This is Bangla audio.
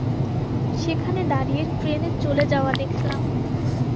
সেখানে দাঁড়িয়ে ট্রেনের চলে যাওয়া দেখলাম।